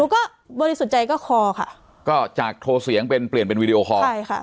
ก็บริสุทธิ์ใจก็คอค่ะก็จากโทรเสียงเป็นเปลี่ยนเป็นวีดีโอคอร์ใช่ค่ะ